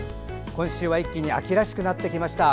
今週は一気に秋らしくなってきました。